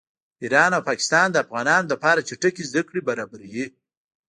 ایران او پاکستان د افغانانو لپاره چټکې زده کړې برابروي